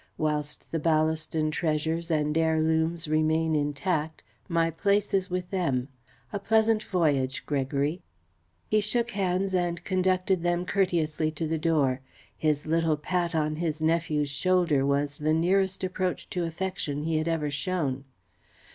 Whilst the Ballaston treasures and heirlooms remain intact my place is with them. A pleasant voyage, Gregory!" He shook hands and conducted them courteously to the door. His little pat on his nephew's shoulder was the nearest approach to affection he had ever shown.